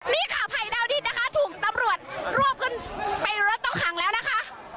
นี่ค่ะภัยดาวดินนะคะถูกตำรวจรวบขึ้นไปรถต้องขังแล้วนะคะ